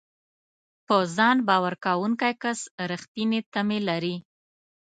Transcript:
په ځان باور لرونکی کس رېښتینې تمې لري.